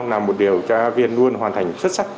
là một điều tra viên luôn hoàn thành xuất sắc